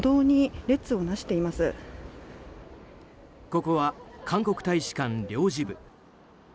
ここは韓国大使館領事部。